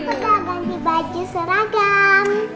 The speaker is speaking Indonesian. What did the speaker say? aku udah ganti baju seragam